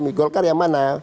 mikulkar yang mana